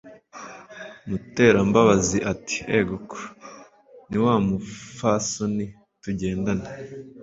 Muterambabazi ati"egoko niwamupfasoni tugendana"